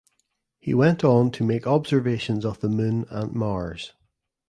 He went on to make observations of the Moon and Mars.